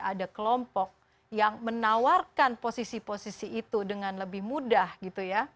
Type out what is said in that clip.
ada kelompok yang menawarkan posisi posisi itu dengan lebih mudah gitu ya